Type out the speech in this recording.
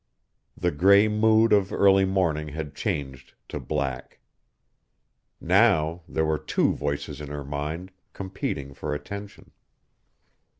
The gray mood of early morning had changed to black. Now there were two voices in her mind, competing for attention.